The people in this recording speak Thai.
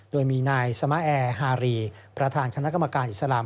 โดยมีนายสมาแอร์ฮารีประธานคณะกรรมการอิสลาม